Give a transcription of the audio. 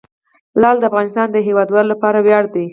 لعل د افغانستان د هیوادوالو لپاره ویاړ دی.